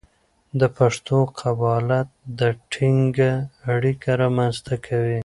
د پښتو قبالت د ټینګه اړیکه رامنځته کوي.